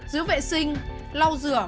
giữ vệ sinh lau rửa